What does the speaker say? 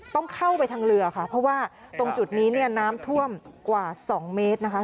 ต้องเข้าไปทางเรือค่ะเพราะว่าตรงจุดนี้เนี่ยน้ำท่วมกว่า๒เมตรนะคะ